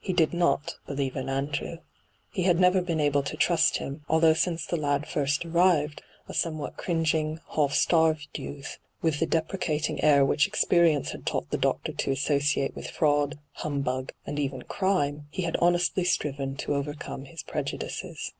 He did not believe in Andrew. He had never been able to trust him, although since the lad first arrived, a somewhat cringing, half starved youth, with the deprecating air which experi ence had taught the doctor to associate with fraud, humbug, and even crime, he had honestly striven to overcome his prejudices.